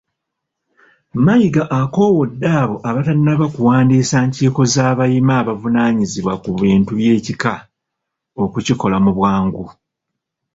Mayiga akoowodde abo abatannaba kuwandiisa nkiiko z'abayima abavunaanyizibwa ku bintu by'ekika, okukikola mu bwangu